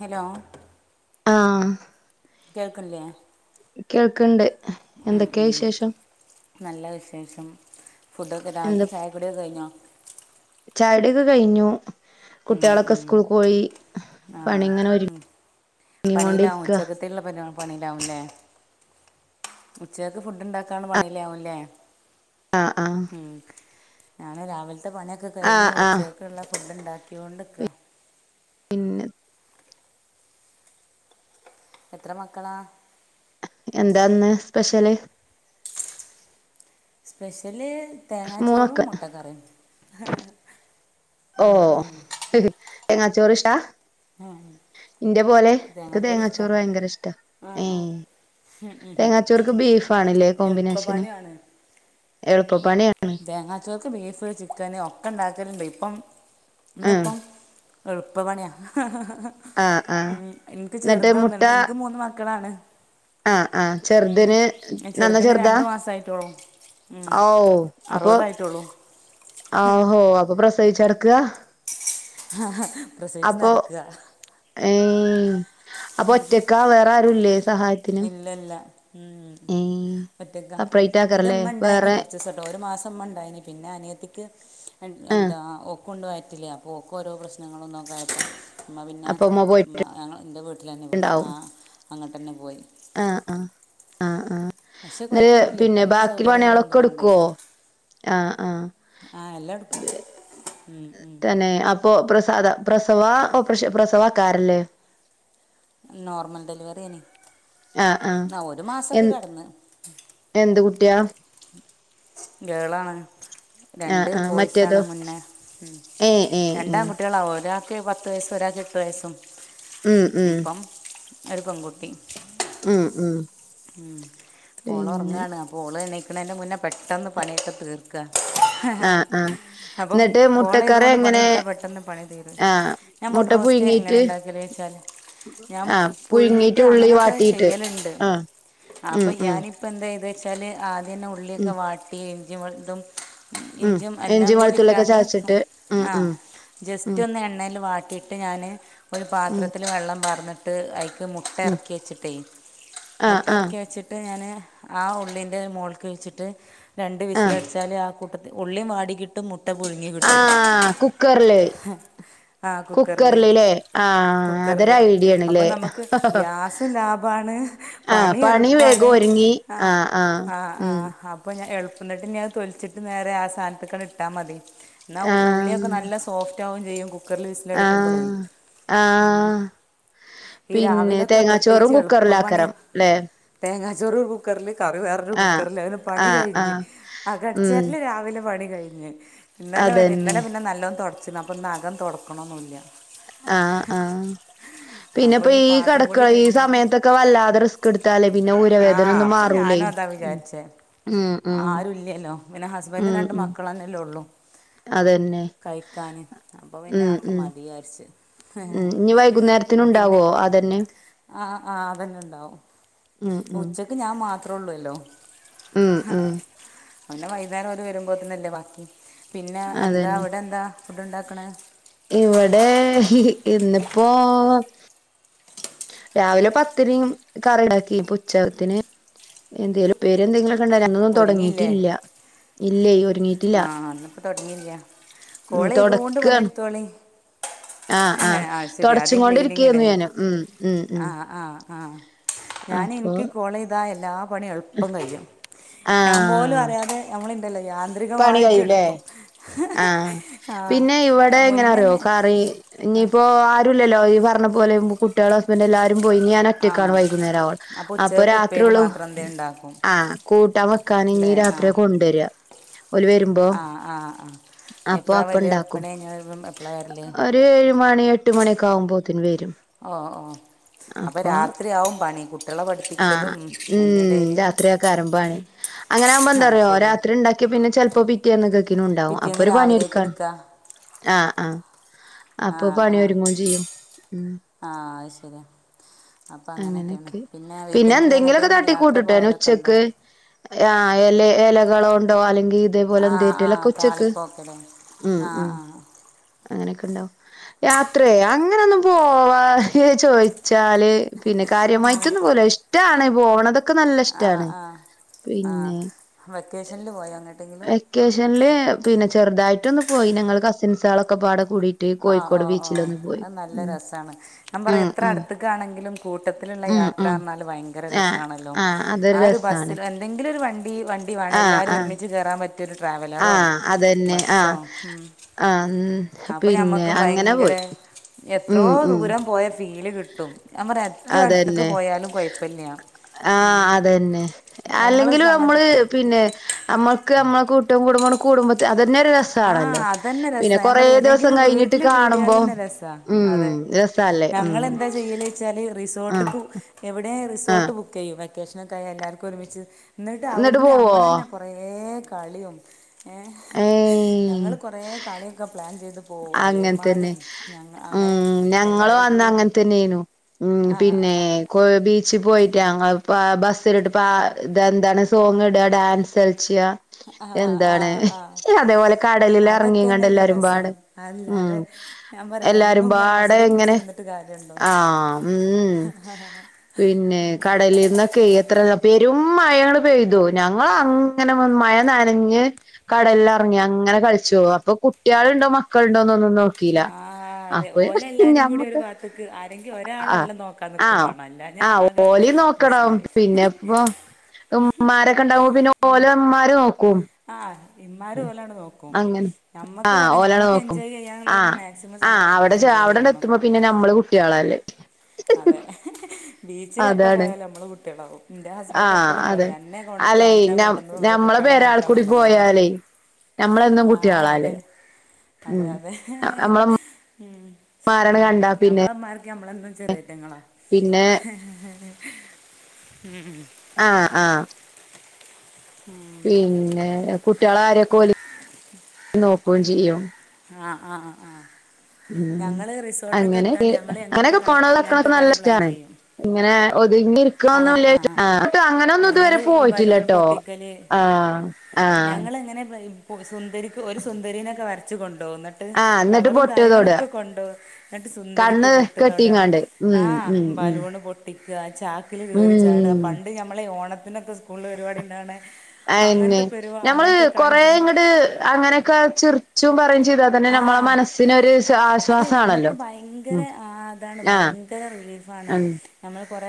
Hello ആ ആ കേൾക്കുണില്ലേ കേൾക്കണ്ട് ഉം ഉം നല്ല വിശേഷം ഫുഡക്കെ എന്താ രാവിലത്ത ചായകുടിയൊക്കെ കഴിഞ്ഞോ ചായകുടിയൊക്കെ കഴിഞ്ഞു ഉം, കുട്ടികളൊക്കെ ഉം. സ്കൂളിക്ക് പോയി ആ പണി ഇങ്ങനെ ഒരു പണിയിലാവും ഉച്ചകത്തുള്ള പ പണിയിലാവുംല്ലേ ഉച്ചക്ക് ഫുഡ് ഉണ്ടാക്കൻ പണില്ലാവൂല്ലേ ആ ആ ഞാൻ രാവിലത്തെ പണിയൊക്കെ ആഹ് കഴിഞ്ഞ് ആഹ് ഉച്ചയക്കെുള്ള ഫുഡ് ഉണ്ടാക്കികൊണ്ടിരിക്ക പിന്നെ എത്ര മക്കളാ എന്താന്ന് സ്പെഷ്യല് സ്പെഷ്യല് മൂന്നക്ക തേങ്ങാച്ചോറും മുട്ടക്കറിയും ഓ ഉം, ഉം. തേങ്ങാചോറ് ഇഷ്ടാ ആ, ഇന്റെ പോലെ എനിക്ക് തേങ്ങാച്ചോറ് ഭയങ്കര ഇഷ്ടാ ഏ ഇഷ്ടമാണ് തേങ്ങച്ചോർക്ക് ബീഫ് ആണില്ലേ എളുപ്പ കോമ്പിനേഷന് പണിയാണ് എളുപ്പപ്പണിയാണ് തേങ്ങാച്ചോർക്ക് ബീഫ് ചിക്കന് ഒക്കെ ഉണ്ടാക്കലുണ്ട് ഇപ്പം ആഹ് ഇന്നിപ്പം എ ഇപ്പ പണിയാ ആഹ് ആഹ് ഉം ഇൻക്ക് എന്നിട്ട് ചെറുതൊന്ന്ണ്ട് ഇൻക്ക് മൂന്ന് മക്കളാണ് ആഹ ആഹ ഉം. ചെറുതിന് നന്ന ചെറുതിന് ചെറുതാ രണ്ട് മാസമായിട്ടുള്ളൂ ഉം. ഓ അപ്പൊ അറുപതായിട്ടുള്ളൂ ആഹോ അപ്പൊ പ്രസവിച്ചടുക്ക ആഹ അപ്പൊ ഏ അപ്പൊ ഒറ്റക്കാ വേറെ ആരുല്ലേ സഹായത്തിന് ഏ ഒറ്റക്ക സെപ്പറേറ്റ് എന്റെറ ആക്കാറല്ലേ ഉമ്മ ഉണ്ടായിനി വേറെ കുറച്ച് ദിവസട്ടോ ഒരു മാസം മ്മണ്ടായിനി പിന്നെ അനിയത്തിക്ക് ആ എന്താ പക്ക കൊണ്ട പോയിറ്റില്ല അപ്പൊ ഓൾക്കും ഓരോ പ്രശ്നങ്ങളൊന്നുംക്കെയപ്പോും ഇമ്മ പിന്നെ അപ്പൊ ഉമ്മ ഞ എൻ്റെ വീട്ട വട്ടിൽ തന്നെ പോയി ആ അങ്ങട്ട് തന്നെ പോയി ആഹ ആഹ് ആഹ ആ പക്ഷെ എന്നല് കുഴപ്പമൊന്നുമില്ല ഇപ്പം പിന്നെ എല്ലാ ബാക്കി സൗകര്യങ്ങളും പണികളൊക്കെ എടുക്കുവോ ആഹ ആഹ ആഹ എല്ലാം എടുക്കും ഉ ഉ തന്നെ അപ്പൊ പ്രസവം ഓപ്പർഷന പ്രസവക്കാരല്ലേ നോർമൽ ഡെലിവറിയേനി ആ ആ ഒരു എ മാസൊക്കെ കടന്ന് എന്ത് കുട്ടിയാ ഗേൾ ആണ്‌ ആ രണ്ട് ആ മറ്റേതോ ബോയ്സാണ് മുന്നേ ഏ ഏ ഏ രണ്ടാൺകുട്ടികളാ ഒരാ ക്ക്. പത്ത് വയസും ഒരാൾക്ക്. ഏട്ട് വയസ്സും ഉം ഉം ഒര് പെങ്കുട്ടി ഉം ഉം ഓള് പിന്നെ ഒർങ്ങാണ് അപ്പൊ ഓള് എണീക്ക്ണേന്റെ മുന്നേ പെട്ടെന്ന് പണ്യക്കെ തീർക്ക ആ ആ അപ്പം എന്നിട്ട് മുട്ടക്കറി കോളെയ്തേണ്ട് എങ്ങനെ പണിട്ത്താ പെട്ടെന്ന് പണി തീരും ആഹ് ഞ മാെട്ട റോസ്റ്റ് എങ്ങനെ ണ്ടാക്കല്ച്ചാല് ആ പുഴുങ്ങീട്ട് ഉള്ളി വാട്ടീട്ട് ആ ആ അപ്പൊ ഞാനിപ്പോ എന്തായ്ത്ച്ചാല് ആദ്യം തന്നെ ഉം ഉള്ളിയൊക്കെ വാട്ടി ഇഞ്ചിം വെള്ത്തും ഉം ഇഞ്ചീം എല്ലാം ഇഞ്ചിയും വെളുത്തുള്ളിയൊക്കെ കൂടിട്ടാണ്ട് ചതച്ചിട്ട് ഉം ആ ഉം ഉം ജസ്റ്റാെന്ന് എണ്ണേല് വാ ട്ടിട്ട് ഞാന് ഒര് ഉം പാത്രത്തില് വെള്ളം പാർന്ന്ട്ട് അയ് മുട്ട ഉം എർക്കി വെച്ചിട്ടെ ആഹ് മുട്ട ആഹ് എർക്കി വെച്ച്ട്ട് ഞാന് ആ ഉള്ളിന്റെ മോൾക്ക് വെച്ച്ട്ട് രണ്ട് ആഹ് വിസിലട്ച്ചാല് ആ കൂട്ട ഉള്ളിം വാടിക്കിട്ടും മു ആ കുക്കർല് ആ കുക്കറിൽ കുക്കല് ല്ലേ ആ കുക്കറിൽ അതൊരു ഐഡിയേണ്ല്ലേ ണ് പണി എൾപ്പാണ് ആ ആഹ് ആഹ് ആ ആ ഉം അപ്പൊ ഞാൻ എൾ ന്നട്ട് ഇഞ്ഞത് തൊൽച്ച്ട്ട് നേരെ ആ സാൻത്ത്ക്കാണ്ട്ട്ടാമതി ന്നാ ആഹ് ഉള്ളിയൊക്കെ നല്ല സോഫ് റ്റാവും ചെയ്യും കുക്കർല് വിസിലടിക്കുമ്പളേ ആഹ് ഉം ആഹ് പിന്നെ തേങ്ങാച്ചോറും കുക്കർലാക്കരം ല്ലെ തേങ്ങാചോറ് കുക്കർല് കറി വേറൊരു ആഹ് കുക്കർൽ അതാ പണി ആഹ് കയ്ഞ്ഞ് ആഹ് ഉം അകട്ച്ചാര്ല് രാവിലെ പണി കയ്ഞ്ഞ് ഇന്നലെ വരെ അതന്നെ ഇന്നലെ പിന്നെ നല്ലോം തൊട്ച്ച്ണ് അപ്പൊ ഇന്ന് അകം തൊടക്ക്ണൊന്നുല്ല ആ ആ അപ്പം പിന്നെപ്പോ ഇനി ഈ പാത്രം കൂടി കെടക്ക ഈ കഴിഞ്ഞാൽ സമയത്തൊക്കെ വല്ലാതെ റിസ് ക്ക്ട്ത്താലേ പിന്നെ ഊരവേദനാെന്നും മാറൂലേ ഉം ഉം ഉം ആരുല്ല്യല്ലോ പിന്നെ ഹസ്ബൻഡും ഉം രണ്ട് ഉം മക്കളന്നെല്ലാെ അതന്നെ കയിക്കാന് അപ്പൊ പിന്നെ ഉം ആക്കെ ഉം മതിയാര്ച്ച് ഉം ഞ്ഞ് വൈകുന്നേരത്തിനുണ്ടാവോ അതന്നെ ആ ആ അതന്നെണ്ടാവും ഉം ഉം ഉച്ചക്ക് ഞാൻ മാത്രള്ളു അല്ലോ ഉം ഉം പിന്നെ വൈന്നേരം ഓര് വരുമ്പോത്ത്നല്ലേ ബാക്കി പിന്നെ എന്താ അവിടെന്താ ഫുഡ്ണ്ടാക്ക്ണേ ഇവ്ടെ ഇന്ന്പ്പോ രാവിലെ പത്തിരിം കറിംണ്ടാക്കി പ്പ ഉച്ചകത്തിന് എന്തേലും പ്പേരി എന്തെങ്കിലും ണ്ട ഞങ്ങളൊന്നു ഒരുങ്ങിയില്ലേ തൊടങ്ങീറ്റില്ല ഇല്ലെയ് ഒ ആ അന്ന്പ്പൊ തൊടങ്ങീല്ല്യ കോളെയ്തൂണ്ട് പണിട്ത്തോളി ആ ആ തൊടച്ചും ക്ലീനിങ് കൊണ്ടിര്ക്കേര്ന്നു അല്ലേ ഞാന് ഉം ഉം ഉം ആ ആ ആ ഞാന് അപ്പൊ ഇൻക്ക് കോളെയ്താ എല്ലാ പണിം എൾപ്പം കയ്യും ഞാൻ പോലു ആഹ് അറിയാതെ ഞമ്മള്ണ്ടെല്ലോ യാന്ത്രികമായിട്ട്ട്ക്കും ആ പിന്നെ ഇവ്ടെ എങ്ങനെ മുന്നേ അറിയോ തന്നെ കറി ഞ്ഞിപ്പോ ആരുല്ലല്ലോ അ പർണ പോലെവുമ്പൊ കുട്ട്യേളു ഹസ്ബൻ്റു എല്ലാ രും പോയി ഞ്ഞ് ആ ഞാനൊറ്റക്കാണ് വൈകുന്നേരാവോൾ അപ്പോൾ അപ്പൊ ഉച്ചക്ക് ഉപ്പേരി രാത്രിയൊള്ളു മാത്രം എന്തേ ഉണ്ടാക്കും ആ കൂട്ടാൻ വക്ക് ക്കാനിനി അല്ലേ ആ രാത്രിയ കൊണ്ടര ആ ആ അപ്പൊ എപ്പോഴാണ് വരിക അപ്പണ്ടാക്കും പണി കഴിഞ്ഞ് വരുമ്പം എപ്പോഴാണ് വരല് ഒര് ഏഴ് മണി എട്ട് മണ്യാെക്കെ ആവുമ്പോത്ത് ഓ ഓ അപ്പൊ രാത്രിയാവും പണി കുട്ട്യേളെ ആഹ് പഠിപ്പിക്കലും അയ്ന്റെടേല് അങ്ങനാവുമ്പൊ എന്താറിയൊ രാത്രിണ്ടാക്കിയ പിന്നെ ചെൽപ്പോ പിറ്റേന്നക്കക്കിനുണ്ടാവും അ പിറ്റേന്ന് പ്പൊര് രാവിലേക്ക് പണിട്ക്കാൻ എടുക്കുക ആ ആ ആ അപ്പൊ പണി ആ ഒരുങ്ങുംചെയ്യും ഉം അപ്പൊ അങ്ങനൊക്കേണ് അങ്ങനെയൊക്കെ പിന്നെ വീക്കെൻ്റ്ല് എങ്ങട്ടേൻ യാത്ര പോവലൊക്കണ്ടോ ആ എലെ എലകളോണ്ടോ അല്ലെങ്കി ഇതേപോലെ ആ ആ എന്തേറ്റേലൊക്കെ ഉച്ചക്ക് താളിപ്പോക്കലേ ആ ആ അങ്ങനെക്കെ ഇണ്ടാവും യാത്രെ അങ്ങനൊന്നും പോവാ ഇയ് അയ് ചോയ് ച്ചാല് പിന്നെ കാര്യമായ്റ്റൊന്നും പോവുലാ ഇഷ്ടാണ് പോണതൊ ആ ആ ആ വെക്കേഷൻൽ പോയാ വെക്കേഷൻൽ പിന്നെ ചെറ്തായിട്ടൊന്ന് പോയി നങ്ങൾ കസിൻസാളൊക്കപ്പാടെ ആ ഓ ഓ അയ് നല്ല ഉം രസാണ് ഞാൻ പറയാ ഉം എത്ര ഉം അട്ത്ത്ക്കാണെങ്കിലും കൂട്ടത്തിൽ ത്തിൽ ഇള്ള ഉം ഉം യാത്രാർണാല് ദയങ്കര ആഹ് രസാണല്ലോ ആഹ് അതൊരു ആ ഒര് രസാണ് ബസ്സിൽ എന്തെങ്കിലൊരു വണ്ടി വണ്ടി വാണെൽ എല്ലാരും ഒരുമിച്ച് കേറാൻ പറ്റ് ആ അതെന്നെ ആ അൻ അപ്പ ഞമ്മക്കും ദയങ്കര എത്രോ ഉം ഉം ദൂരം പോയ ഫീല് കിട്ടും ഞാൻ പറയ എറ്റൊവും അട്ത്ത്ക്ക് പോയാലും കൊയ്പ്പല്യാ ആ അതെന്നെ അല്ലെങ്കിലും നമ്മൾ സംഗതി പിന്നെ അമ്മ ക്ക് അമ്മളെ കൂട്ടും കുടുംബും ആണ്ട് കൂടുമ്പത്ത് അ തെന്നെ ഒരു ആ രസാണല്ലോ അതന്നെ പിന്നെ രസാ ഞാൻ കൊറേ പറയാം ദിവസം ഏതെങ്കിലും കഴിഞ്ഞിട്ട് വീട്ടിൽ കൂടിയാൽ കാണുമ്പോ തന്നെ രസാ ഉം അതെ രസാല്ലെ ഉം ഈ ആഹ് റിസോർട്ട്ക്കും എവിടെ ആഹ് റിസോർട്ട് ബുക്കെയ്യും വെക്കേഷൻ ഒക്കെ ആയ എല്ലാര്ക്കും ഒരുമിച്ച് ന്നിട്ട് എന്നിട്ട് അവ്ട്ന്ന് പോവോ അമ്മളെന്നെ കൊറേ കളിയും ഏ ഞങ്ങള് കൊറേ കളിയൊക്കെ പ്ലാൻ ചെയ്ത് പോവും അങ്ങൻ തന്നെ അളിയന്മാരും ഞങ്ങൾ അങ്ങനെ ഉം നങ്ങളു എല്ലാവരും അന്ന് കൂടി അങ്ങൻ തന്നെനു ഉം ആ പിന്നെ ആ ഏ കോയ് ബീച്ചി പോയി ട്ട് ഞങ്ങൾ ഇപ്പാ ആ ബസ്സിലിട്ട് പാ തെന്താണ് സോങ്ങ്ടാ ഡാൻസ്ൾ ച്ചാ ആ ആ എന്താണ് ആ ഇ അതേ പോലെ കടലിൽ അർങ്ങി അതൊക്കെ കാണ്ട് തന്നെയല്ലേ എല്ലാരും രസം പാടെ ഉം അല്ലാതെ ഞാൻ പറയാ എല്ലാരും എന്നും ഇങ്ങനെ പാടെ മസ്‌ലും പുട്ച്ച് ഇങ്ങനെ ഇര്ന്ന്ട്ട് കാര്യണ്ടോ ആഹ് ഉം പിന്നെ കടലിന്നൊക്കെയ് എത്ര [unintelligible] പെരും മഴയാണ്ട് പെയ്തു ഞങ്ങൾ അങ്ങനെ വന്ന് മഴ നനഞ്ഞ് കടൽ അറങ്ങി അങ്ങ് ങ്ങനെ കൾച്ചു അപ്പൊ കുട്ടിയാൾ ഇണ്ട് മക്കൾ ഇണ്ടോന്നൊന്നും നോ ആ അതെ ഓലെ എല്ലാരിം കൂടി ഒര് ഞമ്മക്ക് ബാത്ത്ക്ക് ആരെങ്കി ഒരാൾ ഓലെ നോക്കാൻ നിക്കും ആഹ് മാണം അല്ലാ ആ ഓലിം നോക്കണം പിന്നെപ്പൊ ഉമ്മാരൊക്കെ ഇണ്ടാവുമ്പോ പിന്നെ ഓലെ മ്മാര് നോക്കും ആ ഇമ്മാര് ഓലെ ആണ്ട് നോക്കും അങ്ങനെ ഞമ്മക്ക് ആഹ് പറയാ ഓലാണ് ഞമ്മക്ക് നോക്കും എൻജോയ് ചെയ്യാന്ള്ളൊര്ണം മാക്സിമം സമ ഞമ്മൾ എൻജോ അവിടോട്ട് എത്തുമ്പോ പിന്നെ നമ്മള് കുട്ടികളല്ലേ അതെ ബീച്ചിലെപ്പ അതാണ് പോയാലും അമ്മള് കുട്ടികളാവും ഇന്റെ ഹസ്ബൻ്റ് ആഹ് എപ്പളും അതെ പറയും അന്നെ കൊ അല്ലെ കാണിച്ചാ നം കൊണ്ടന്നതോ അതോ കുട്ടികളെ കാണിച്ചാൻ കൊണ്ടന്നതോന്ന് ഞമ്മളെന്നും കുട്ടിയളാല്ലേ അതെ അതെ ഉ നമ്മളമ്മാരാണ് നം കണ്ടാ പിന്നെ നമ്മളമ്മാർക്ക് നമ്മളെന്നും ചെറിയേറ്റ്ങ്ങളാ പിന്നെ ഉം ഉം ആ ആ പിന്നെ കുട്ടികള ആരെക്കൊല് നോക്കേം ചെയ്യും ആ ആ ആ ഉം ഞങ്ങള് റിസോട്ടൊക്കെ അങ്ങനെ ഇട്ത്താ ഞങ്ങള് എങ്ങനത്തെ അങ്ങനെയൊക്കെ കളി പോണതൊക്കെ ഇങ്ങൻത്തെ നല്ല കളി പ്ലാൻ ഇഷ്ടാണ് ചെയ്യും ഇങ്ങനെ ഒതുങ്ങി ആ ഇരിക്കോന്ന് ആ അങ്ങനെ ഒന്നും ഞങ്ങൾ ഇതുവരെ ഈ ബലൂൺ പോയിട്ടില്ലേട്ടോ പൊട്ടിക്കൽ ആ ആ ആ പോക്സുന്ദരിക്ക് ഒരു സുന്ദരിനൊക്കെ വരച്ച് കൊണ്ടോവും ന്നിട്ട് ആഹ് എന്നിട്ട് കളറും പൊട്ട് തൊട കാര്യങ്ങളൊക്കെ ക്ക് കൊണ്ടോവും എന്നിട്ട് സുന്ദരിക്ക് കണ്ണ് പൊട്ട് തൊടാ കെട്ടിങ്ങാണ്ട് ആ ഉം ഉം ഉം ബലൂണ് പൊട്ടിക്കാ ചാക്കിൽ കേയറി ചാടാ ഉം പണ്ട് ഞമ്മളെ ഓണത്തിനൊക്കെ സ്കൂളില് പരുപാടിണ്ടാണേ അയന്നെ ഞമ്മള് കളി കൊറേ പിന്നെ ഇങ്ങട് അങ്ങനെ ഒക്കെ ചിറിച്ചും പറ ത് അതന്നെ നമ്മളെ മനസ്സിനൊരു അതെ ഞമ്മക്ക് ആശ്വാസാണല്ലോ ഭയങ്കര ഉം ആ അതാണ് ആഹ് ഭയങ്കരറീ ഉം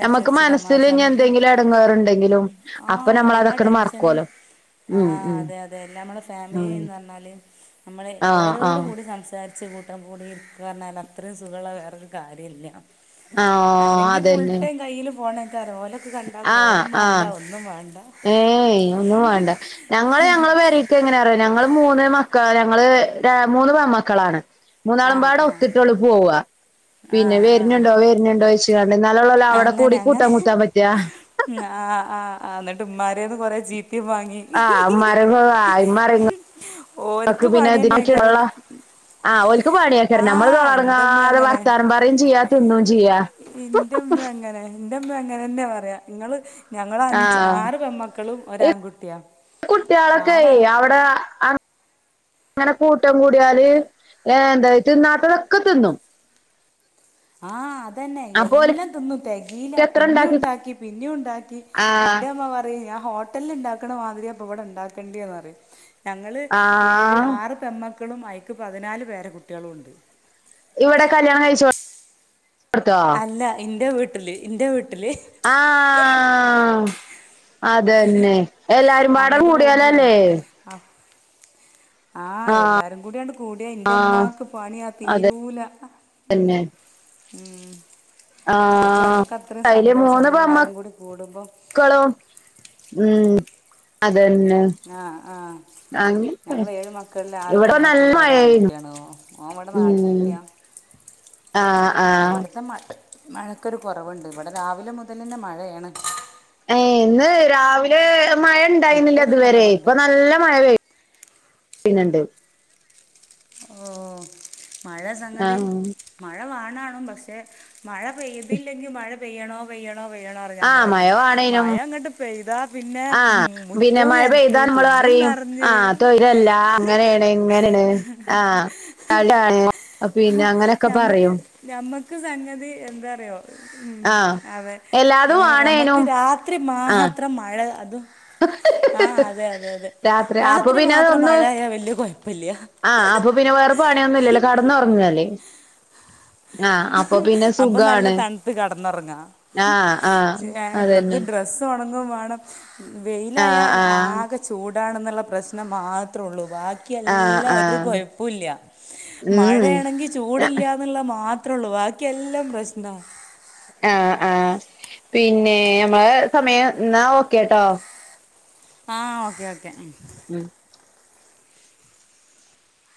അമ്മക്ക് മനസ്സില് ഇനി നമുക്ക് എന്തെങ്കിലും എടങ്ങേറുണ്ടെങ്കിലും ആ അപ്പൊ നമ്മളതൊക്കെ [unintelligible] ആ അതെ അതെ ഞമ്മള് ഉം ഫാമിലീന്ന് പറഞ്ഞാല് ആഹ് ഓരോട് ആഹ് കൂടി സംസാരിച്ച് കൂട്ടം കൂടി ഇരിക്ക് പറഞ്ഞാൽ അത്രേം സുഖൊള്ള വേറൊരു കാര്യ ഇല്ല്യാ ആഹ് അല്ലെങ്കി ഫുൾ അതന്നെ ടൈം കയ്യില് ഫോണ കരോലൊക്കെ കണ്ടാ ആഹ് ഫോണും വാണ്ട ആഹ് ഒന്നും വാണ്ട ഏയ് ഒന്നും വേണ്ട ഞങ്ങളെ ഞങ്ങള് പേരേക്ക് എങ്ങനെ അറിയാ ഞങ്ങള് മൂ മൂന്ന് മക്കള് ഞങ്ങള് ര മൂന്ന് പെമക്കളാണ് ആ മൂന്നാള്മ്പാടും ആ ഒത്തിട്ടോള് പോവ്വാ ആ പിന്നെ ആ വെര്നുണ്ടോ വെര്നുണ്ടോ വെച്ച് കണ്ട് എന്നാല്ലൊള്ളാല അവ്ടെ കൂടി കൂട്ടി മുട്ടാൻ പറ്റാ ഉം ആ ആ ആ ന്നിട്ട് ഇമ്മാര്ന്ന് കൊറെ ചീ ആ മരങ്ങും ആ ഇമരങ്ങും അക്ക് ഓർക്ക് പണി തന്നെ കാരണം പിന്നെ [inaudible] ആ ഓൽ ക്ക് ആ പണിയക്കാരം നമ്മള് എന്റമ്മ തൊള്ളറ്ന്നാൽ വർത്താനം പറയും ചെയ്യാ തിന്നും ചെയ്യാ ഇന്റ്മ്മ അങ്ങനാ ഇന്റ്മ്മ അങ്ങനെ അന്നെ പറയാ ഇങ്ങള് ഞങ്ങളഞ്ച് ആറ് പെമ്മക്കളും ഒരാങ്കുട്ടിയാ കുട്ടികളൊക്കെ ഈ യവിടെ ആ ങ്ങനെ കൂട്ടം കൂടിയാല് ഏ എന്താ തിന്നാത്തതൊക്കെ തിന്നും ആ അ അതന്നെ അപ്പൊ എല്ലാം ഓല്ക്ക് തിന്നും തെകീലാ എത്ര പിന്നെയു ഉണ്ടാക്കി ഇണ്ടാക്കി പിന്നെയു ഇണ്ടാക്കി ആഹ് ഇന്റെ മ്മ പറയും ഞാ ഹോട്ടല് ഇണ്ടാക്ക്ണ മാതിരി അപ്പൊ ഇവിടെ ഉണ്ടാക്കേണ്ടിന്ന് പറിം ഞങ്ങള് ഏഴ് ആഹ് ആറ് പെൺ മ ക്കളും അയ്ക്ക് പതിനാല് പേരകുട്ടികളുണ്ട് ഇവിടെ കല്യാണം കയിച്ചോ അല്ല ഇൻ്റെ വീട്ടില് ഇൻ്റെ വീട്ടില് അതേന്നെ എല്ലാരും പാടം അങ്ങോട്ട് പോകുമ്പോളേ കൂടിയാലല്ലേ ആഹ് എല്ലാരും കൂടിയാണ്ട് കൂടിയാ ഇന്റെ ഇമ്മാക്ക് പണിയാ തീരൂല തന്നെ ഉം പക്ഷെ അമ്മക്ക് അത്രേം സന്തോഷം അമ്മളെല്ലാരും കൂടി കൂടും ക്കളോ ഉം അതന്നെ ആ ആ അങ്ങനൊക്കെ ഞങ്ങള് ഏഴ് മക്കളിൽ ആറ് ഇവിടെ നല്ല പെമക്കളും മഴയായിരുന്നു ഒരാൺകുട്ടിയാണ് ഓ ഓൻ ഇവിടെ നാട്ടിലില്ല്യാ ആ ആ മഴക്കൊര് കൊറവ് ഇണ്ട് ഇവടെ രാവിലെ മുതലെന്നെ മഴെണ് ഏ ഇന്ന് രാവിലെ മഴ ഇണ്ടായിന്നില്ല ഇപ്പോൾ ഒരു ഇതുവരെ കുറവുണ്ട് ഇപ്പ നല്ല മഴ പെയ്യ്ന്ന്ണ്ട് ഓ മഴ ആ സംഗതി മഴ വാണാണും പക്ഷെ മഴ പെയ്തില്ലെങ്കിൽ മഴ പെയ്യണോ പെയ്യണോ പെയ്യണോ പെയ്യണോ പറിം ആ മഴ നമ്മളെന്നെ വാണേനും മഴ ഇങ്ങട്ട് പെയ്താ പിന്നെ ആ ഉം പിന്നെ മുറ്റോ മഴ എര്പ്പ് പെയ്താ നമ്മള് പുല്ല് പറയും ആ തൊഴിര ഇല്ല അങ്ങനെയാണ് ഇങ്ങനെയാണ് ആ [unintelligible] പിന്നെ അങ്ങനെയൊക്കെ പറയും ക്ക് സംഗതി എന്താറിയോ ഉം ആ അതെ എല്ലാതും ഞമ്മക്ക് ആണേനും രാത്രി ആ മാത്രം മഴ അതും ആ അതെ അതെ അതെ അപ്പൊ രാത്രി പിന്നെ മാത്രം അതൊന്ന് മഴ ആയാ വല്യ കൊഴപ്പയില്ല അപ്പ പിന്നെ വേറെ പണിയൊന്നും ഇല്ലല്ലോ കട്ന്നൊർങ്ങ അല്ലെ അപ്പ നല്ല സുഖാണ് തണ്ത്ത് കെട്ന്നൊറങ്ങാ ആ ആ ച്ച് ഏ ഡ്രസ് അതന്നെ ഡ്രസ് ഒണ ങ്ങുംവാണം ആ വെയിലായാൽ ആ ആകെ ചൂടാൺന്ന്ള്ള പ്രശ്നം മാത്രെ ഒള്ളു ബാക്കി ആഹ് എല്ലാം ഒര് ആഹ് കൊഴപ്പുയില്ല. ഉം മഴയാണെങ്കി ചൂടില്ലാന്ന്ള്ളെ മാ ത്ര ഒള്ളു ബാക്കിയെല്ലാം പ്രശ്നാവാ ആഹ ആ പിന്നെ നമ്മളെ സമയം ഇന്നാ ഓക്കെട്ടോ ആ ഓക്കേ ഓക്കേ ഉം